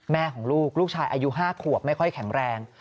แม่ของลูกลูกชายอายุ๕ขวบไม่ค่อยแข็งแรง